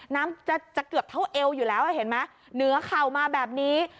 น้ำจะเกือบเท่าเอวอยู่แล้วเห็นไหมเหนือเข่ามาแบบนี้